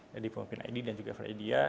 dari pemimpin id dan juga from ida